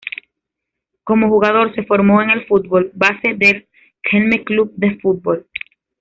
Como jugador se formó en el fútbol base del Kelme Club de Fútbol.